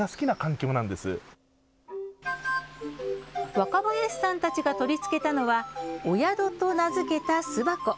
若林さんたちが取り付けたのはお宿と名付けた巣箱。